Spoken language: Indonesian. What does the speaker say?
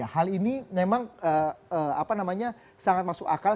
hal ini memang apa namanya sangat masuk akal